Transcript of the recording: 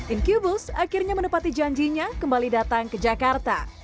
incubus akhirnya menepati janjinya kembali datang ke jakarta